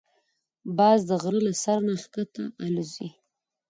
باز د غره له سر نه ښکته الوزي